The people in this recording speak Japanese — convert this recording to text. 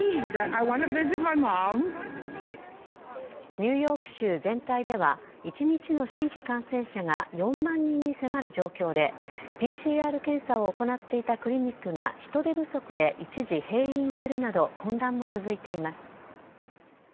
ニューヨーク州全体では１日の新規感染者が４万人に迫る状況でＰＣＲ検査を行っていたクリニックが人手不足で一時閉院するなど混乱も続いています。